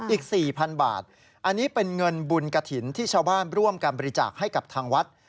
อีก๔๐๐๐บาทอันนี้เป็นเงินบุญกระถิ่นที่ชาวบ้านร่วมการบริจาคให้กับทางวัด